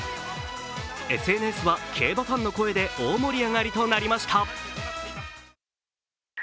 ＳＮＳは競馬ファンの声で大盛り上がりとなりました。